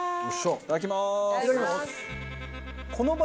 いただきます。